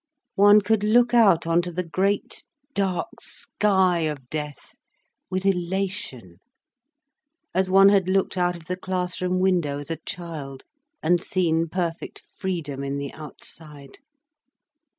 One could look out on to the great dark sky of death with elation, as one had looked out of the classroom window as a child, and seen perfect freedom in the outside.